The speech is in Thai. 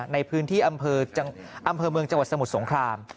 ในพื้นที่อำเภอเมืองจังหวัดสมุทรสงคราม